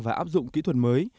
và áp dụng kỹ thuật mới